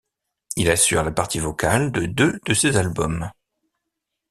Il assure la partie vocale de deux de ses albums.